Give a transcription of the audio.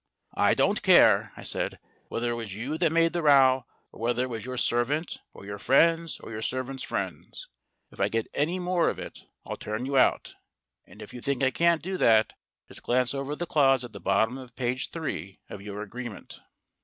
"I don't care," I said, "whether it was you that made the row, or whether it was your servant or your friends, or your servant's friends. If I get any more of it, I'll turn you out; and if you think I can't do that, just glance over the clause at the bottom of page three of your agreement."